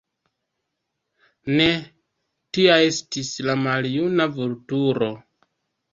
Ne tia estis la maljuna Vulturo.